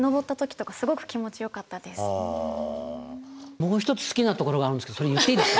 もう一つ好きなところがあるんですけどそれ言っていいですか。